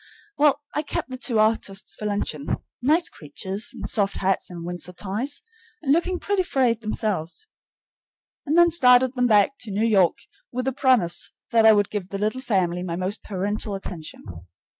Well, I kept the two artists for luncheon, nice creatures in soft hats and Windsor ties, and looking pretty frayed themselves, and then started them back to New York with the promise that I would give the little family my most parental attention.